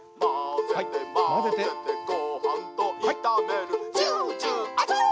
まぜてまぜてごはんといためるジュジュアチョー！